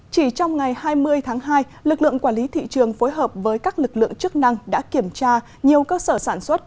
chỉ trong ngày hai mươi tháng hai lực lượng quản lý thị trường phối hợp với các lực lượng chức năng đã kiểm tra nhiều cơ sở sản xuất